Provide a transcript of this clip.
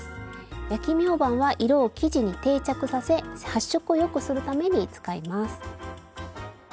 焼きみょうばんは色を生地に定着させ発色をよくするために使います。